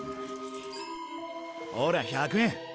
ほら１００円！